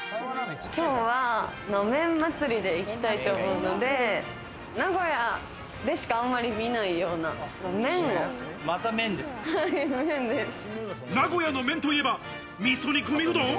今日は麺祭りでいきたいと思うので、名古屋でしかあまり見ないような麺を。